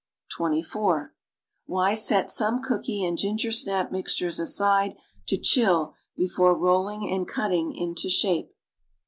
(2 t) Why set some cooky and gingersnap mixtures aside to chill before rolling and cutting into shape.'